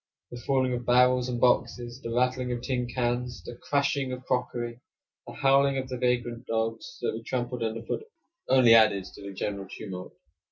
The falling of barrels and boxes, the rattling of tin cans, the crashing of crockery, the howling of the vagrant dogs that were trampled under foot, only added to the general tumult.